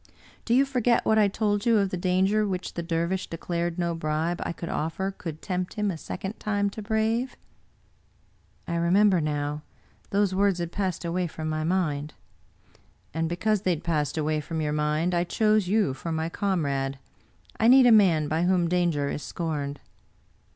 Do you forget what I told you of the danger which the Dervish declared no bribe I could offer could tempt him a second time to brave?" " I remember now ; those words had passed away from my mind." 80 Bidwer Lytton " And because they had passed away from your mind, I chose you for my comrade. I need a man by whom danger is scorned."